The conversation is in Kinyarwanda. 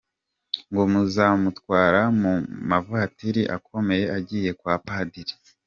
Ngo muzamutwara mu mavatiri akomeye agiye kwa padiri ?